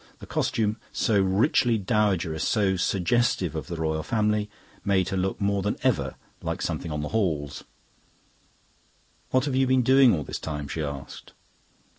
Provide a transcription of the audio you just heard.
The costume, so richly dowagerish, so suggestive of the Royal Family, made her look more than ever like something on the Halls. "What have you been doing all this time?" she asked.